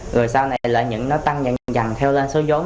rồi sau này là những nó tăng dần dần theo lên số giống